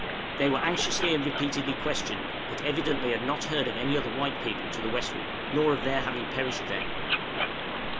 They were anxiously and repeatedly questioned, but evidently had not heard of any other white people to the westward, nor of their having perished there.